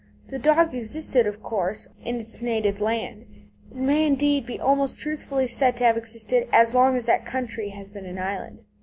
The dog existed, of course, in its native land. It may indeed be almost truthfully said to have existed "as long as that country has been an island."